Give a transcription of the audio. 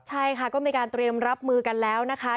ใช่ค่ะก็มีการเตรียมรับมือกันแล้วนะคะ